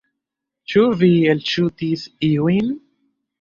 Ĉu vi elŝutis iujn?